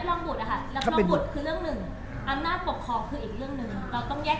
แปลว่าคือการมีเดือนสมบูรณ์แล้วถ้าผู้สามารถมีศาลยามทั้งหนัก